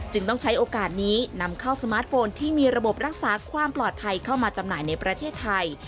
ต้องใช้โอกาสนี้นำเข้าสมาร์ทโฟนที่มีระบบรักษาความปลอดภัยเข้ามาจำหน่ายในประเทศไทย